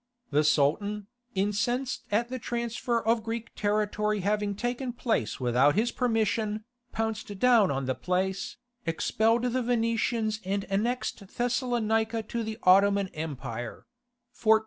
The Sultan, incensed at a transfer of Greek territory having taken place without his permission, pounced down on the place, expelled the Venetians and annexed Thessalonica to the Ottoman Empire .